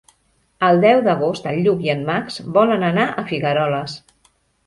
El deu d'agost en Lluc i en Max volen anar a Figueroles.